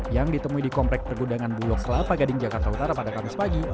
yang ditemui di komplek pergudangan bulog kelapa gading jakarta utara pada kamis pagi